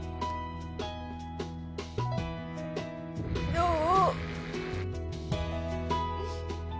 どう？